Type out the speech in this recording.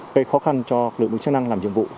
gây khó khăn cho lực lượng chức năng làm nhiệm vụ